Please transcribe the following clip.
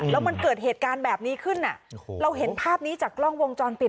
แล้วมันเกิดเหตุการณ์แบบนี้ขึ้นเราเห็นภาพนี้จากกล้องวงจรปิด